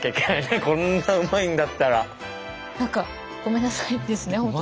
何かごめんなさいですね